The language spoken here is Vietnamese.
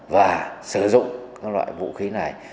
và sử dụng các loại vũ khí này